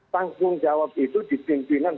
tanggung jawab itu di pimpinan